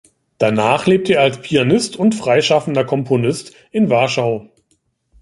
Danach lebte er als Pianist und freischaffender Komponist in Warschau.